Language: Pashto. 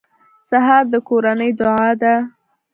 سهار د کورنۍ دعا ده.